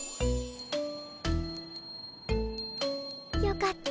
よかった。